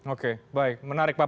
oke baik menarik bapak